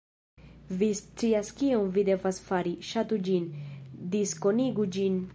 Vi scias kion vi devas fari. Ŝatu ĝin, diskonigu ĝin